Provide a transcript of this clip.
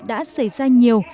đã xảy ra nhiều